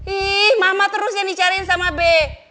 ih mama terus yang dicariin sama be